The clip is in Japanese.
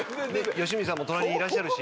良純さんも隣にいらっしゃるし。